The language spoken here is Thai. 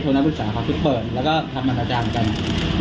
โชว์นักศึกษาครับคือเปิดแล้วก็ทำมรรณาจารย์กันนักศึกษาเห็นก็วิ่ง